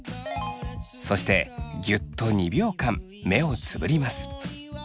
そしてギュッと２秒間目をつぶります。